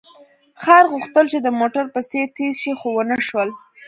خر غوښتل چې د موټر په څېر تېز شي، خو ونه شول.